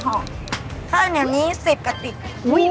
พันกว่าห่อเพิ่งเดี๋ยวนี้๑๐กระติก